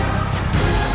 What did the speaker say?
aku akan menangkapmu